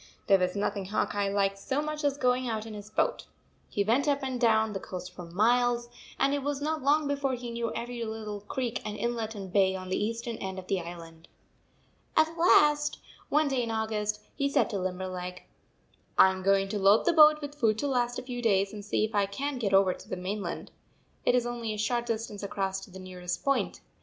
There was nothing Hawk Eye liked so much as going out in his boat. He went up and down the coast for miles, and it was not long before he knew every little creek and inlet and bay on the eastern end of the island. 149 At last, one day in August, he said to Limberleg: " I am going to load the boat with food to last a few days and see if I can t get over to the mainland. It is only a short distance across to the nearest point.